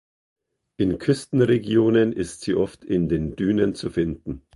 In Küstenregionen ist sie oft in den Dünen zu finden.